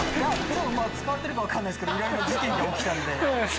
使われてるか分かんないですけど事件が起きたんで。